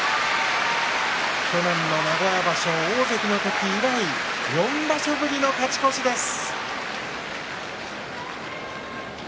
去年の名古屋場所、大関の時以来４場所ぶりの勝ち越しです。